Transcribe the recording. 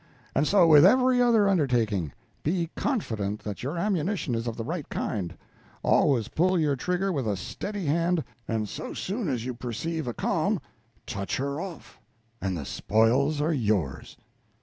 And so with every other undertaking. Be confident that your ammunition is of the right kind always pull your trigger with a steady hand, and so soon as you perceive a calm, touch her off, and the spoils are yours."